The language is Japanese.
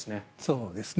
そうですね。